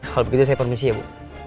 kalau begitu saya permisi ya bu